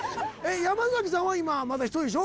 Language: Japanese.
山さんは今まだ独りでしょ？